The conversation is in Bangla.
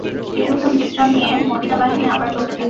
কিছুক্ষণ বিশ্রাম নিয়ে মদীনাবাহিনী আবার চলতে থাকে।